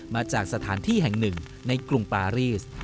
มาจากสถานที่แห่งหนึ่งในกรุงปารีส